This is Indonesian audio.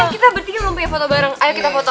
eh kita berdiri mau punya foto bareng ayo kita foto